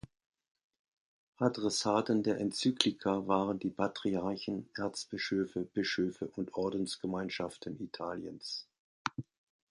Adressaten der Enzyklika waren die "Patriarchen, Erzbischöfe, Bischöfe und Ordensgemeinschaften Italiens".